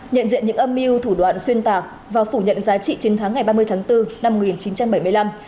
nhận diện những âm mưu thủ đoạn xuyên tạc và phủ nhận giá trị chiến thắng ngày ba mươi tháng bốn năm một nghìn chín trăm bảy mươi năm